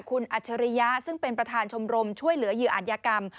คุณอัจฉริยะซึ่งเป็นประธานชมรมช่วยเหลือเหยื่ออาจยากรรม